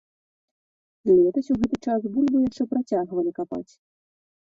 Летась у гэты час бульбу яшчэ працягвалі капаць.